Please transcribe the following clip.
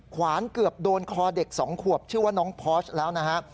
ขวานเกือบโดนคอเด็ก๒ขวบชื่อว่าน้องพอร์ชแล้วนะฮะ